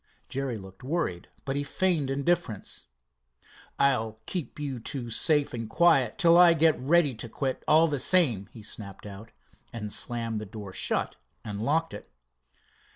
Jerry looked worried, but he feigned indifference. "I'll keep you two safe and quiet till I get ready to quit, all the same," he snapped out, and slammed the door shut and locked it.